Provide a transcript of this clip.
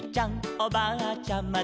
おばあちゃんまで」